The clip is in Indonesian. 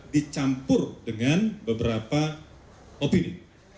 dicampur dengan beberapa opini